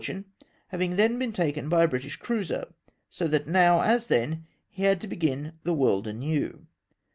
tune, having then been taken by a British cruiser, so that now, as then, he had to begin the world again.